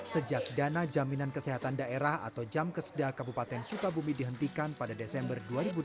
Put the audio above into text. sejak dana jaminan kesehatan daerah atau jam keseda kabupaten sukabumi dihentikan pada desember dua ribu delapan belas